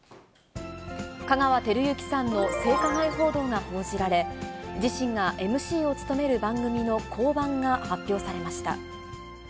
香川照之さんの性加害報道が報じられ、自身がＭＣを務める番組の降板が発表されました。